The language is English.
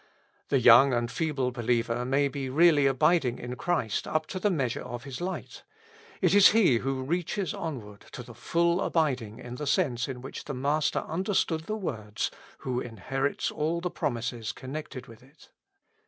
The young and feeble believer may be really abiding in Christ up to the measure of his light ; it is he who reaches onward to the full abiding in the sense in which the Master understood the words, who inherits all the promises connected with it.